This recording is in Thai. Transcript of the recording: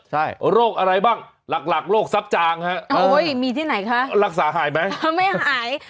ใช่โรคอะไรบ้างหลักหลักโรคซับจางฮะโอ้ยมีที่ไหนคะรักษาหายไหมถ้าไม่หาย